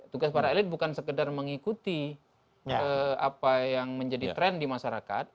tugas para elit bukan sekedar mengikuti apa yang menjadi tren di masyarakat